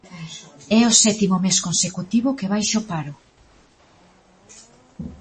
É o sétimo mes consecutivo que baixa o paro.